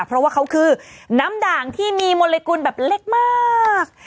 เพราะว่าเขาคือน้ำด่างที่มีมลกุลแบบเล็กมาก